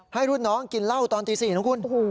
ให้รุ่นน้องกินเหล้าตอนตี๔นะคุณ